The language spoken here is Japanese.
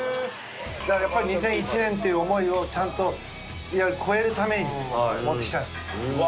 だからやっぱり２００１年っていう思いをちゃんと超えるために持ってきた。